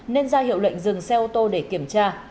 nên ra hiệu lệnh dừng xe ô tô để kiểm tra